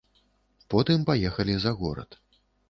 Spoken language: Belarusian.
Потым паехалі за горад.